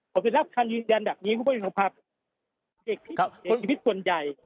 ขอบคุณทรัพย์คันยืนยันแบบนี้คุณผู้ชมภาพเด็กภิกษาชีวิตส่วนใหญ่